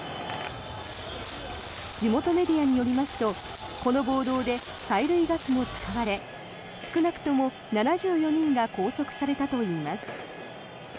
地元メディアによりますとこの暴動で催涙ガスも使われ少なくとも７４人が拘束されたといいます。